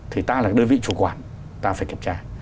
thì ta là đơn vị chủ quản ta phải kiểm tra